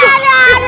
aduh aduh aduh aduh